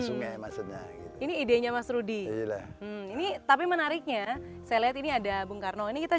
sungai maksudnya ini idenya mas rudy ini tapi menariknya saya lihat ini ada bung karno ini kita